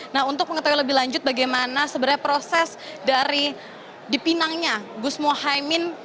nah untuk mengetahui lebih lanjut bagaimana sebenarnya proses dari dipinangnya gus mohaimin